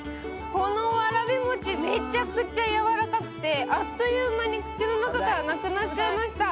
このわらび餅、めちゃくちゃやわらかくて、あっという間に口の中からなくなっちゃいました。